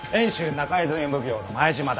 中泉奉行の前島だ。